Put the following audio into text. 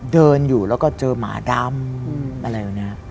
เดินอยู่แล้วก็เจอหมาดำ